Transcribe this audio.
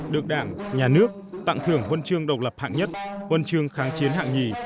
được đảng nhà nước tặng thưởng huân chương độc lập hạng nhất huân chương kháng chiến hạng nhì